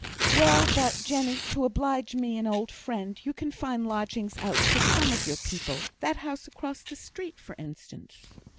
"Well, but Jenny, to oblige me, an old friend, you can find lodgings out for some of your people the house across, for instance."